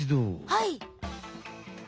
はい。